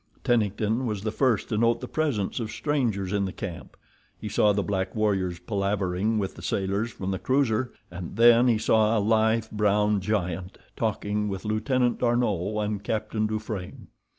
Tennington was the first to note the presence of strangers in the camp. He saw the black warriors palavering with the sailors from the cruiser, and then he saw a lithe, brown giant talking with Lieutenant D'Arnot and Captain Dufranne.